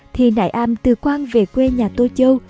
thi nại am từ quang về quê nhà tô châu